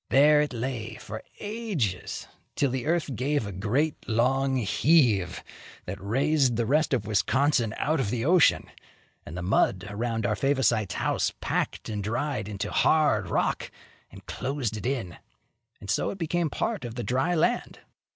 There it lay for ages, till the earth gave a great, long heave, that raised the rest of Wisconsin out of the ocean, and the mud around our Favosites' house packed and dried into hard rock and closed it in; and so it became part of the dry land.